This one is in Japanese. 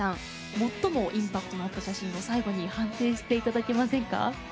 最もインパクトのあった写真を最後に判定していただけませんか。